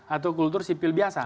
atau kultur sipil biasa